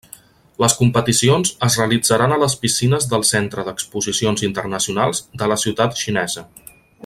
Les competicions es realitzaran a les piscines del Centre d'Exposicions Internacionals de la ciutat xinesa.